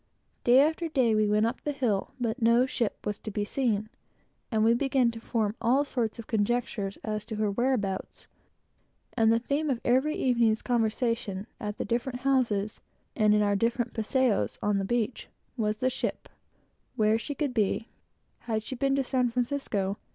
Day after day, we went up the hill, but no ship was to be seen, and we began to form all sorts of conjectures as to her whereabouts; and the theme of every evening's conversation at the different houses, and in our afternoon's paséo upon the beach, was the ship where she could be had she been to San Francisco?